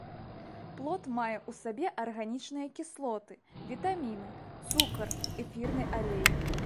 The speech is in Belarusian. Плод мае ў сабе арганічныя кіслоты, вітаміны, цукар, эфірны алей.